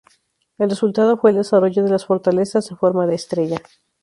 El resultado fue el desarrollo de las fortalezas en forma de estrella.